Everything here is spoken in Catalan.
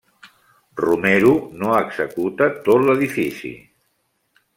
Romero no executa tot l'edifici.